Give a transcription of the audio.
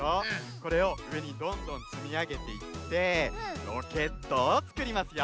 これをうえにどんどんつみあげていってロケットをつくりますよ。